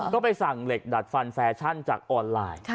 ก็ไปสั่งเหล็กดัดฟันแฟชั่นจากออนไลน์